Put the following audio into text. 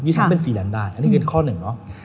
ฉันเป็นฟรีแลนซ์ได้อันนี้คือข้อหนึ่งเนาะ